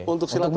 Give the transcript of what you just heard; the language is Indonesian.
untuk silat rohim